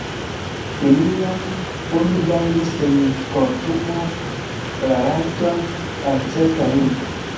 Neniam oni gajnis en kortumo la rajton al certa lingvo